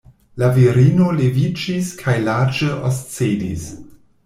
La virino leviĝis kaj larĝe oscedis.